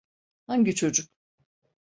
Hangi çocuk?